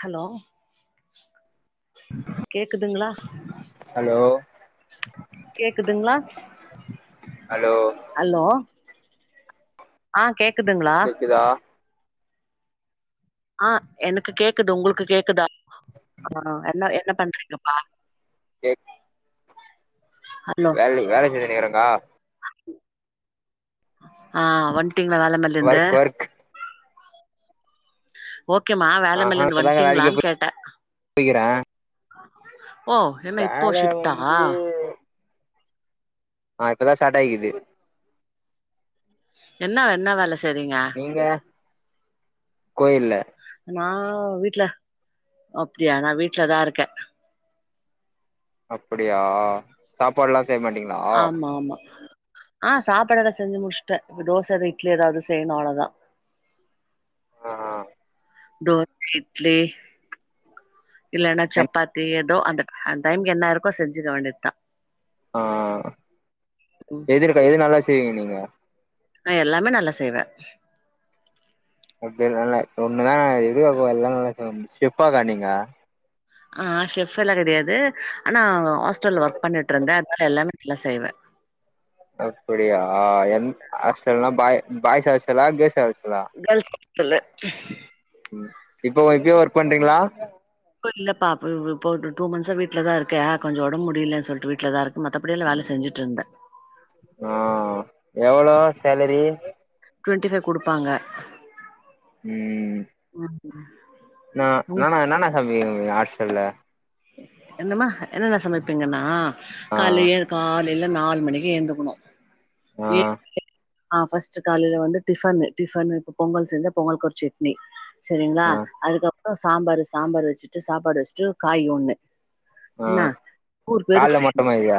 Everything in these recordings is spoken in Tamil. ஹலோ கேக்குதுங்ளா ஹலோ கேக்குதுங்ளா ஹலோ அல்லோ ஆ கேக் கேக்குதா ஆ எனக்கு கேக்குது உங்குளுக்கு கேக்குதா ஆ என்ன என்ன பண்றீங்கப்பா கேக் ஹலோ வேல்லி வேல செஞ்சினுகிறங்கா ஆ வன்ட்டிங்ளா வேலமேலந்து ஒர்க் ஒர்க் ஓகேமா வேல ஆஹா மேலந்து இப்பதாங்க வேலைக்கே வன்ட்டீங்ளான் போய் கேட்டே போய்க்கிறே ஓ என்ன இப்போ வேல ஷிஃப்டா வந்து ஆ இப்பதா சாட்டாயிகிது என்னா என்ன வேல செய்றீங்க நீங்க கோயில்ல நா வீட்ல அப்டியா நா வீட்லதா இருக்கே அப்புடியா சாப்பாட்லா செய்யமாட்டீங்ளா ஆமா ஆமா ஆ சாப்பாடெல்லா செஞ்சு முச்ட்டே இப்ப தோச எதா இட்லி எதாவ்து செய்யனு அவ்ளோதா ஆ தோச இட்லி இல்லேனா என் சப்பாத்தி எத் டோ அந்தட் அந் டைம்கு என்ன இருக்கோ செஞ்சிக்க வேண்டித்தா ஆ ம் எதுருக்க எது நல்லா செய்வீங்க நீங்க நா எல்லாமே நல்லா செய்வே அப்டியெல்லா இல்ல ஒன்னுதா [unintelligible] செஃப்பாக்கா நீங்க ஆ ஷெஃப் எல்லா கெடையாது ஆனா ஹாஸ்டல்ல ஒர்க் பண்ணிட்ருந்தே அதனால எல்லாமே நல்லா செய்வே அப்புடியா எந் ஆஸ்டல்னா பாய் பாய்ஸ் ஆஸ்டல்லா கேஸ் [unintelligible] கேல்ஸ் ஆஸ்டலு ம் இப்பவு இப்பியு ஒர்க் பண்றீங்ளா இப்போ இல்லப்பா இப்ப இப்போ ஒரு டூ மந்த்ஸா வீ்ட்லதா இருக்கே கொஞ்சோ ஒடம் முடியலன் சொல்ட்டு வீட்லதா இருக் மத்தபடியெலா வேல செஞ்சுட்ருந்தே ஆ எவ்ளோ சேலரி டுவெண்ட்டி ஃபைவ் குடுப்பாங்க ம் ம் ம் ந நானா என்னானா சாமி [unintelligible] ஆஸ்டல்ல என்னம்மா என்னென்ன சமைப்பீங்கன்னா ஆ கால்ல ஏழுக்காலைல நாலு மணிகு ஏந்துகுணு ஆ ஆ ஃபஸ்ட்டு காலைல வந்து டிஃபனு டிஃபனுகு இப்ப பொங்கல் செஞ்சாப் பொங்கல்கு ஒரு செட்னி செரிங்ளா ஆ அதுக்கப்றோ சாம்பாரு சாம்பாரு வெச்சுட்டு சாப்பாடு வெச்ட்டு காய் ஒன்னு ஆ இன்னா கூறு கால்ல பேருக் செய்னு மட்டுமா இது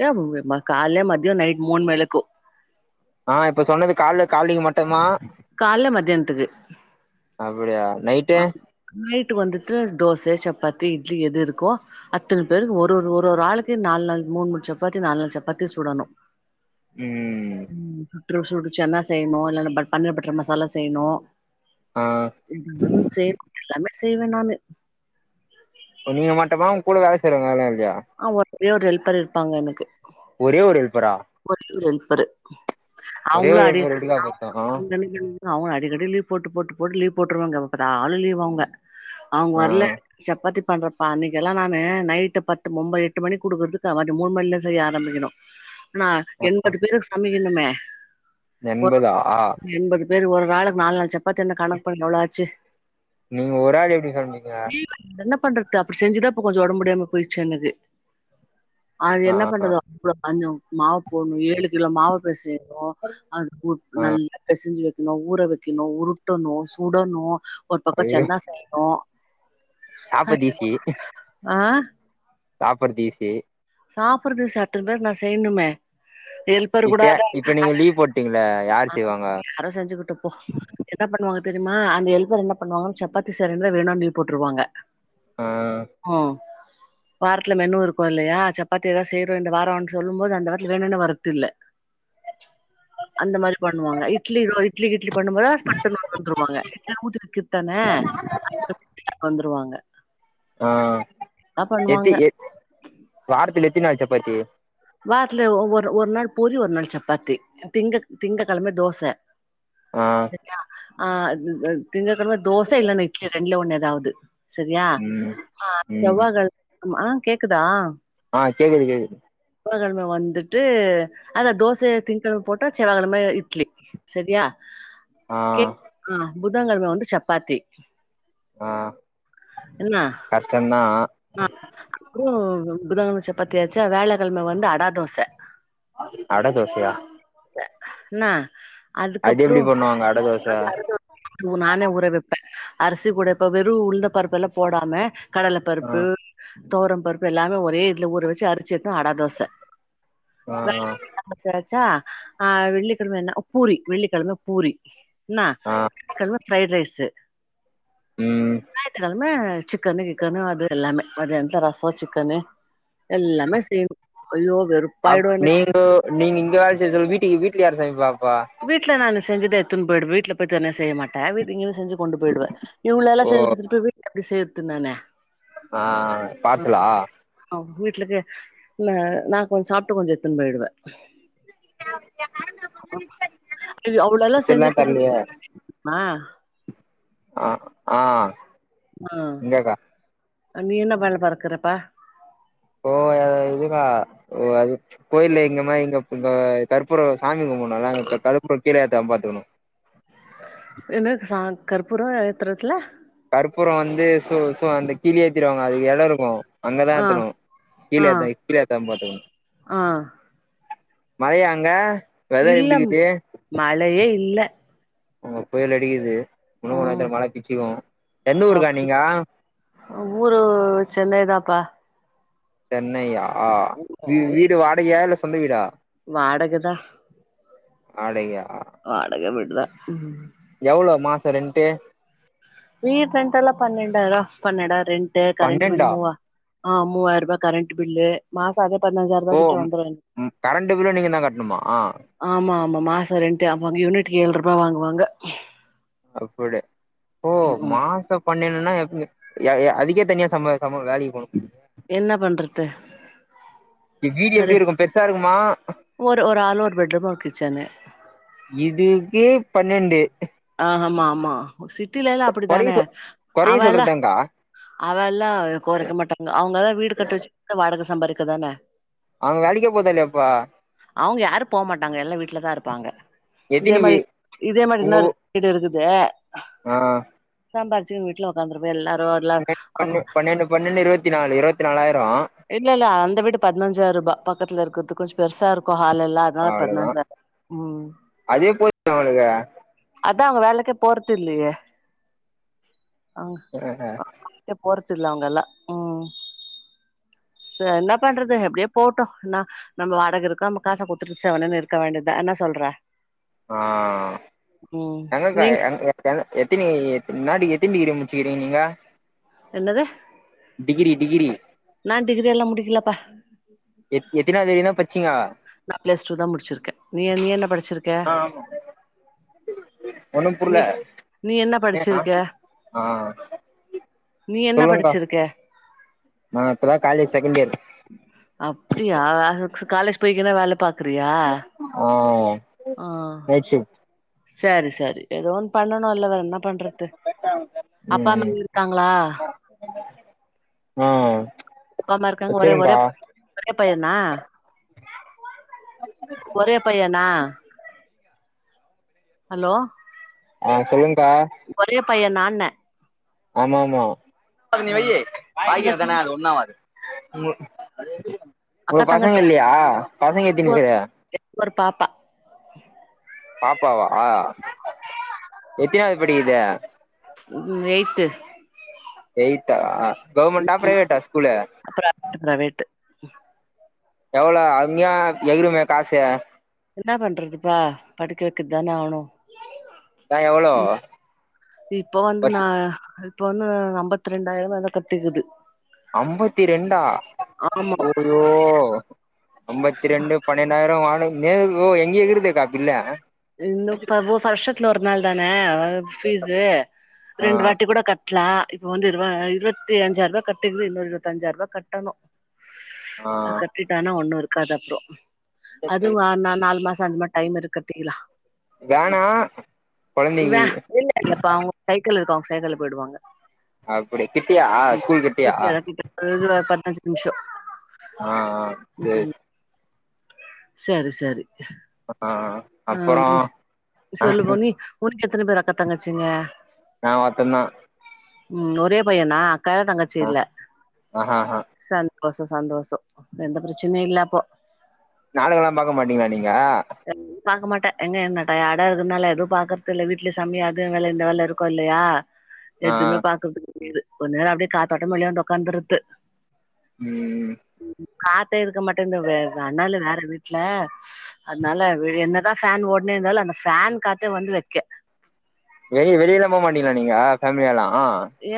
ஏ [unintelligible] கால்லே மத்யோ நைட் மூன் மேலக்கோ ஆ இப்ப சொன்னது கால்லே கால்லைக் மட்டு்ம்மா கால்ல மத்தியானத்துக்கு அப்டியா நைட் ஆ நைட்டு வந்துட்டு தோச சப்பாத்தி இட்லி எது இருக்கோ அத்தன பேருக்கு ஒரு ஒரு ஒரு ஒரு ஆளுக்கு நாலு நாலு மூணு மூணு சப்பாத்தி நாலு நாலு சப்பாத்தி சுடணு ம் ம் சுற்று சுடுசன்னா செய்யணு இல்லனா பட் பன்னீர் பட்டர் மசாலா செய்யணு ஆ அதுவு சேகு எல்லாமே செய்வே நானு நீங்க மட்டமா உங்க கூட வேல செய்றவுங்க ல்லா இல்லையா ஆ ஒரே ஒரு ஹெல்பர் இருப்பாங்க எனக்கு ஒரே ஒரு ஹெல்ப்பரா ஒரே ஒரு ஹெல்ப்பரு ஒரே அவுங்களு ஒரு அதே ஹெல்ப்பர் எப்டிக்கா அவுங் பத்து ஆ வந்தனே னை அவுங்களு அடிக்கடி லீவ் போட்டு போட்டு போட்டு லீவ் போட்டுருவாங்க எப்ப பாத்தாலு லீவ் அவுங்க அவுங்க வரல ஆ சப்பாத்தி பண்றப்பா அன்னைக்கெல்லா நானு நைட்டு பத் முன்ப எட்டு மணி குடுக்குறதுக்கு அவாடி மூணு மணில செய்ய ஆரம்பிக்கணு நா எண்பது பேருக் ஸ் சமிக்கணுமே ஒரு எண்பதா எண்பது பேருக்கு ஒரு ஆளுக்கு நாலு நாலு சப்பாத்தி ன்னா கணக்கு பண்ணுங்க எவ்ளோ ஆச்சு நீங்க ஒரு ஆள் எப்டி சமைப்பீங்க என்ன பண்றது அப்டி செஞ்சுதா இப்ப கொஞ்சோ ஒடம்பு முடியாம போயிருச்சு எனக்கு அது ஆ என்ன பண்றதோ ப்ளோ அஞ்சு மாவு போடணு ஏழு கிலோ மாவ பெசையணு அது வுக் ஆ நல்ல பெசிஞ்சு வக்கணு ஊற வக்கணு உருட்டணு சுடணு ஒரு பக்கோ ஐயோ சன்னா செய்யணு சாப்பது அ சாப்பிடுறது ஈசி சாப்பிடுறது சட்டுனு தா நா செய்யணுமே ஹெல்ப் இப்பய இப்ப நீங்க லீவ் போட்டீங்கள யார் செய்வாங்க யாரோ செஞ்சுகிட்டு போ என்ன பண்ணுவாங்க தெரிமா அந்த ஹெல்பர் என்ன பண்ணுவாங்க சப்பாத்தி செய்றேம்ல வேணானு லீவ் போட்டுருவாங்க ஆ ஓ வாரத்துல மெனு இருக்கு இல்லயா சப்பாத்தி எதாது செய்றே இந்த வாரோனு சொல்லு போது அந்த வாரத்துல வேணுன்னு வரது இல்ல அந்த மாரி பண்ணுவாங்க இட்லி ரோ இட்லி கிட்லி பண்ணு போது பட்டுனு ந வந்துருவங்க இட்ல ஊத்தி வக்கிட்டு தான வந்துருவாங்க ஆ அ எத்தி பண்ணுவாங்க எ வாரத்துல எத்தி நாள் சப்பாத்தி வாரத்துல ஒரு ஒரு நாள் பூரி ஒரு நாள் சப்பாத்தி திங்கங் திங்க கெழம தோச ஆ செரியா ஆ து து திங்ககெழம தோச இல்லன்னா இட்லி ரெண்டுல ஒண்ணு எதாவது செரியா ம் ஆ ம் செவ்வா கெழ ம ஆ கேக்குதா ஆ கேக்குது கேக்குது செவ்வாகெழம வந்துட்டு அதா தோசய திங்கெழம போட்டா செவ்வாகெழம இட்லி செரியா ஆ கேக் ஆ புதன்கெழம வந்து சப்பாத்தி ஆ என்ன கஷ்டந்தா ஆ அப்பறோ புதன் கெழம சப்பாத்தியாச்சா வியாழக்கெழம வந்து அடா தோச அட தோசயா க இன்ன அது அதுக்கப்பறோ எப்டி பண்ணுவாங்க அட தோச ராத்திரி அட தோ ஊ நானே ஊறவப்பே அரிசி கூட இப்ப வெறு உழுந்த பருப்பு எல்லா போடாம கடலபருப்பு, ஆ தோரம் பருப்பு எல்லாமே ஒரே இதுல ஊற வச்சு அரிச்சு எடுத்தா அடா தோச ஆ வச்சாசா ஆ வெள்ளிக்கிழம என்ன பூரி வெள்ளிக்கிழம பூரி என்னா ஆ கலம ஃப்ரைடு ரைஸ்சு ம் ஞாயத்துக்கிழம சிக்கனு கிக்கனு அது எல்லாமே அது மதியானத்துல ரஷோ சிக்கனு எல்லாமே செய்யோ ஐயோ வெறுப் அப் நீங்கோ நீங்க இங்க வேல செய்ச சொல்ல வீட்டுக்கு வீட்டுல யாரு சமைப்பா வீட்ல நானு செஞ்சத எத்துன் போய்டு வீட்ல போயி தென செய்ய மாட்டே வீட்டுங்கீழ் செஞ்சு கொண்டு போயிடுவே இவ்ளோ எல்லா ஓ செஞ்சு குடுத்துட்டு திருப்பி வீட்ல எப்டி செய்றது நானு ஆ பார்சலா ஆ வீட்லுக்கு இல்ல நா கொஞ்சோ சாப்ட்டு கொஞ்சோ எத்துன்னு போயிடுவே [unintelligible] அவ்ளோலா பார்சல்லா செஞ்சு திருப்பி தரலையே வீட்ல போய் சமைக்க முடியுமா அ ஆ ஆ இங்கக்கா நீன என்ன வேல பார்க்கிறப்பா ஓ இதுவா ஓ அது கோயில்ல எங்க மாரி இங்க இங்க கற்பூரோ சாமி கும்பணுல அங்க கர்பூர கீழயேத்தாம பாத்துக்கணு என்ன சா கர்பூரோ ஏத்துறத்தில்ல கர்பூரோ வந்து சோ சோ அந்த கீழ ஏத்திடுவாங்க அதுக்கு இடோ இருக்கு அங்க தா ஆ ஏத்தணு கீழ ஆ ஏத்தா இப்டி ஏத்தாம பாத்துக்ணு ஆ மழையா அங்க வெதர் இல்ல எப்டிக்குது மழையே இல்ல இங்க புயல் அடிக்குது இன்னு ஆ கொஞ்ச நேரத்துல மழ பிச்சுக்கு எந்த ஊருக்கா அப்டி நீங்க ஊரு சென்னைதாப்பா சென்னையா வீ வீடு வாடகையா இல்ல சொந்த வீடா வாடகதா வாடகையா வாடக வீடுதா எவ்ளோ மாசோ ரென்ட்டு வீடு ரென்ட்டெல்லா பன்னெண்டாயிரூவா பன்னெடா ரென்ட்டு கரண்ட் பில் பன்னெண்டா மூவா ஆ மூவாயிர ரூபா கரண்ட்டு பில்லு மாசோ அதே பதினஞ்சாயிரரூபா ஓ கிட்ட வந்துரு ம் கரண்ட் பில்லு நீங்கதா கட்டணுமா ஆமா ஆமா மாசோ ரென்ட்டு ஆமாங் யூனிட்டுக்கு ஏழ் ரூபா வாங்குவாங்க அப்படி ஓ மாச பன்னென்னா எப்டி யா அதுக்கே தனியா சம சம வேலைகு போணும் போலையே என்ன பண்றது [inaudible] இ வீடு ஒரு எப்டி இருக்கு பெருசா இருக்குமா ஒரு ஒரு ஆள் ஒரு பெட்ரூம் ஒரு கிச்சனு இதுக்கே பன்னென்டு ஆமா ஆமா சிட்டிலலா கொறைய அப்படித்தானே சொ கொறைய அவயெல்லா சொல்றதாங்க்கா அவயெல்லா கொறைக்க மாட்டாங்க அவுங்கதா வீடு கட்டு வச்சு [inaudible] வாடக சம்பாதிக்கதான அவுங்க வேலக்கே போதல்லையா இப்ப அவுங்க யாரு போ மாட்டாங்க எல்லா வீட்லதா இருப்பாங்க இதே எத்தினி வீ மாரி இதே மாரி உங்க இன்னொரு ஊ வீடு இருக்குதே ஆ சாம்பாச்சு வீட்டுல உக்காந்துருப்ப எல்லாரு வர்லா ஆமா ஒன்னொன்னு இருவத்தி நாலு இருவத்தி நாலாயிரோ இல்ல இல்ல அந்த வீடு பதினஞ்சாயிருபா பக்கத்துல இருக்கிறது கொஞ்சோ பெருசா இருக்கு ஹால்லெலா நா அவ்ளோதா பதினொன்பேரு ம் அதே போது அவங்களுக்கு அதா அவ்ங்க வேலைக்கே போறது இல்லேயே போறதில்ல அவுங்கெல்லா ச என்ன பண்றது எப்டியோ ப் போட்டோ என்னா நம்ம வாடக இருக்கம் நம்ம காச குத்துட்டு செவனேன்னு இருக்க வேண்டிதுதா என்ன சொல்ற ஆ ம் எங்கக்கு நீங்க என் எத்தினி முன்னாடி எத்தனி டிகிரி முடிச்சுக்கிறீங்க நீங்க என்னது டிகிரி டிகிரி நா டிகிரி எல்லா முடிக்கிலப்பா எ எத்தனா வரையுந்தா பச்சீங்க நா பிளஸ் டூ தா முட்ச்சிருக்கே நீ நீ என்ன படிச்சிருக்க ஆமா ஒன்னு புர்ல நீ நீ என்ன ஏ ஆ படிச்சிருக்க ஆ நீ என்ன சொல்லுங்கா படிச்சிருக்க நா இப்பதா காலேஜ் செகண்ட் இயர் அப்புடியா காலேஜ் போய்ங்கின்னா வேல பாக் கிரியா ஆ ஆ நைட் ஷிஃப்ட் செரி செரி ஏதோ ஒன்னு பண்ணணு இல்ல வேற என்னாப் பண்றது அப்பா அம்மா இருக்காங்களா ஆஹ் அப்பா அம்மா இருக்காங்க ஒரே ஒரே ஒரே பையனா ஒரே பையனா அலோ ஆ சொல்லுங்க்கா ஒரே பைய நான்ன ஆமா ஆமா நீ வையி அக்கா பாகெடு தங்கச்சி தான அது ஒண்ணாவாது உன்கு அக்கா பசங்க இல்லயா பசங்க எத்தினி பேரு என்க் ஒரு பாப்பா பாப்பாவா எத்தினாவுது படிக்குது ம் எய்த்து எய்த்தா கவ்ர்மெண்டா பிரைவேட்டா ஸ்கூல்லு ப்ரவேட்டு எவ்ளோ அதுமியா எகுருமே காசு என்ன பண்றதுப்பா படிக்க வெக்கதுதானே ஆவ்னு எவ்ளோ ம் இப்போ வந்து வருஷ நா இப்ப வந்து அம்பத்தி ரெண்டாயிரோ அத கட்டிக்குது அம்பத்தி ரெண்டா ஆமா ஐயோ அம்பத்தி ரெண்டு பன்னிர் ரெண்டாயிரோ வாடக ஏங்கோ எங்எகுறுதேக்கா பில்லு இன்னு வருஷத்துல ஒரு நாள் தானே பீஸ்சு ஆ ரெண்டு வாட்டி கூட கட் லா இப்ப வந்து இரு இருவத்தி அஞ்சாயிருவா கட்டிக்குது இன்னு இருவத்தஞ்சாயிருபா கட்டணு ஆ அ கட்டிட்டானா ஒண்ணு இருக்காது அப்றோ அதுவு நான் நாலு மாசோ அஞ்சு மாச டைம் இருக்கு கட்டீக்களா வேனா கொழந்தைக்கு இல்ல இல்லப்பா அவ்ங்க சைக்கிள் இருக்காவ்ங்க சைக்கிள்ள போய்டுவாங்க அப்டி கிட்டையா ஆ ஸ்கூல் கிட்டியா அங்கர்ந்து ஒர் பத்னஞ்சு நிமிஷோ ஆ ஆ சே செரி செரி அ ஆ அ அப்பறோ சொல்லுபா நீ உன்க்கு எத்தன பேர் அக்கா தங்கச்சிங்க நா ஒர்த்தந்தா ம் ஒரே பையனா அக்கா தங்கச்சி ஆ இல்ல ஆஹஹா சன் தோசொ சந்தோசொ எந்த ப்ரச்சனையு இல்ல அப்போ நாடகல்லா பாக்க மாட்டீங்ளா நீங்க [unintelligible] பாக்க மாட்ட எங்க என்ன டயாடா இருக்குத்னால எதுவு பாக்கற்தில்ல வீட்ல சமிய அது வேல இந்த வேல இருக்கோ இல்லையா ஆ எதுமே பாக்கற்த்துக் [unintelligible] கொஞ் நேரொ அப்டியே காத்தோட்டமா வெளிய வந்து ஒக்காந்துர்றது ம் காத்தே இருக்க மாட்டேன்து வெ அனலு வேற வீட்ல அத்னால வெ என்னதா ஃபேன் ஓட்னே இந்தாலு அந்த ஃபேன் காத்தே வந்து வெக்கெ வெளிய வெளியலா போ மாட்டீங்ளா நீங்க ஃபேம்லியாலா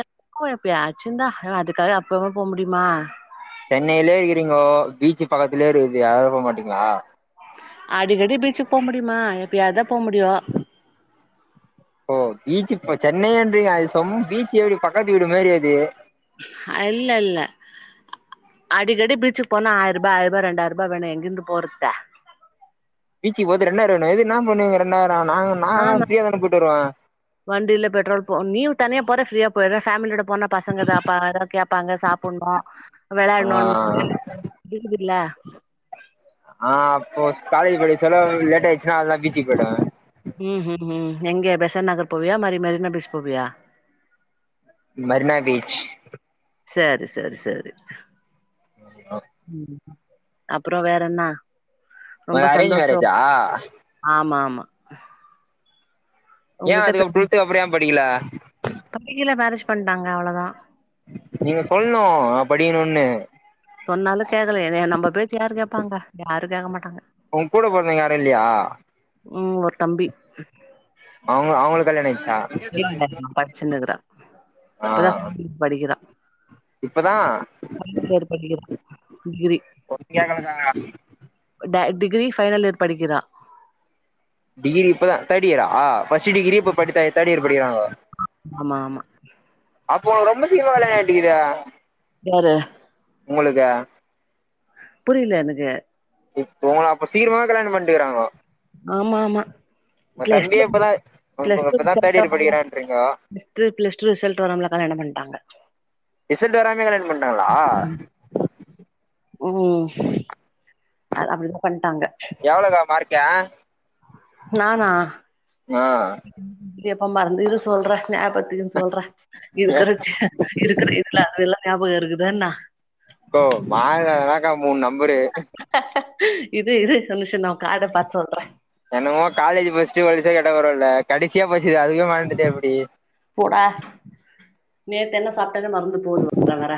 [inaudible] எப்யாச்சுந்தா அனா அதுக்காக அப்பப்போ போ முடிமா சென்னைய்லே இர்க்குறீங்கோ பீச்சி பக்கத்திலே இருக்குது அதுல போ மாட்டீங்ளா அடிக்கடி பீச்சுக் போ முடியுமா எப்பயாத்தா போ முடியு ஓ பீச்சி இப்ப சென்னையேந்து அது சொம் பீச் எப்டி பக்கத்து வீடு மேறியது அ இல்ல இல்ல அடிக்கடி பீச்சுக் போனா ஆய்ருபா ஆய்ருவா ரெண்டாய்ருபா வேணு எங்கிர்ந்து போறத்து பீச்சிக்கி போறதுக்கு ரெண்டாய்ரு வேணுமா இது இன்னா பண்ணுவீங்க ரெண்டாய்ரோ நாங்க நாங்கல்லா ஆமா ஃப்ரீயா தான போய்ட்டு வருவோ வண்டில பெட்ரோல் போ நீ தனியா போற ஃப்ரீயா போயிர்ற ஃபேமிலியோட போனா பசங்க எதா பா எதா கேப்பாங்க சாப் புண்ணு வெளாட்ன்னுன் ஆ [inaudible] இல்ல ஆ அப்போ காலேஜ் படி செலவ் லேட் ஆய்ச்சுனா அவுள்தா பீச்சிக் போய்டுவ ம் ம் ம் எங்க பெசன் நகர் போவியா மரி மெரினா பீச் போவியா மெரினா பீச் செரி செரி செரி ம் அப்றோ வேற என்னா ரொம்போ உனக்கு அரேஞ்ச் சந்தோஷொ மேரேஜா ஆமா மா ஏ உங்கிட்ட அதுக்கப் டுவல்த்து அப்றொ ஏ படிக்ல படிக்கில மேரேஜ் பண்ட்டாங்க அவ்ளோதா நீங்க சொல்ணு நாங்க படிக்கனுன்னு சொன்னாலு [unintelligible] என்ன நம்ப பேச்ச யாரு கேப்பாங்க யாரு கேக்க மாட்டாங்க உங்க கூட பொறந்தீங்க யாரு இல்லயா ம் ஒர் தம்பி அவுங் அவுங்ளுக்கு கல்யாணொ ஆயிச்சா இல்லல்ல பச்சினுக்குறா ஆ இப்பதா [inaudible] படிக்கிறா இப்பதா [inaudible] படிக்கிறா டிகிரி ஒன்னு கேக்கலக்கா ட டிகிரி ஃபைனலியர் படிக்கிறா டிகிரி இப்பதா தேடியரா ஃபஸ்ட்டு டிகிரி இப்போ படித்த தேடியர் படிக்கிறாங்கொ ஆமா ஆமா அப்போ உங்குக் ரொம்போ சீக்ரமா கல்யாண ஆயிட்டுகுதே யாரு உங்களுக்கு புரில எனக்கு இப்போ உங்கள அப்போ சீக்ரமாவே கல்யாண பண்ட்டுகிறாங்கோ ஆமா ஆமா உங்க பிளஸ் தம்பியே டூ இப்பதா உங்க இப்பதா தடியர் படிகிறான்றிங்கோ நெக்ஸ்ட் பிளஸ் டூ ரிசல்ட வராமலே கல்யாண பண்டாங்க ரிசல்டு வராமலே கல்யாண பண்டாங்களா ம் அது அப்டிதா பண்டாங்க எவ்வளக்கா மார்கு நானா ஆ எப்பா மறந்து இரு சொல்ற ஞாபடுத்தின்னு சொல்ற இருக்கிறச்சு இருக்குற இதுல அதெல்லா ஞாபக இருக்குதான்ன அக்கோ மார்க் அதென்ன கா மூணு நம்பரு இரு இரு ஒரு நிமிஷோ நா காட பார்த்து சொல்ற என்னமோ காலேஜ் பசிச்சிட்டு வலிசயா கெட்டா பரவால கடைசியா படிச்சது அதுவே மறந்துட்டா எப்டி போடா நேத்து என்ன சாப்ட்டனே மறந்து போகுது வர வர